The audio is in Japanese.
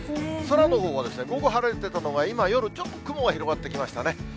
空のほうは午後晴れてたのが、今、夜、ちょっと雲が広がってきましたね。